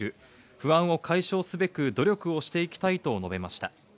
不安を解消すべく努力をしていきたいと述べました。